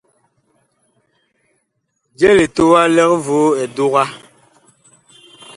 Je litowa lig voo eduga.